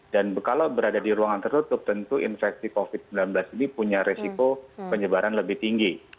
dan kalau berada di ruangan tertutup tentu infeksi covid sembilan belas ini punya risiko penyebaran lebih tinggi